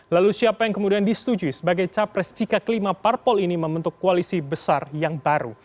lalu siapa yang kemudian disetujui sebagai capres jika kelima parpol ini membentuk koalisi besar yang baru